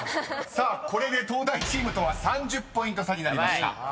［さあこれで東大チームとは３０ポイント差になりました］